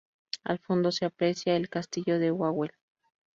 Al fondo, se aprecia el castillo de Wawel.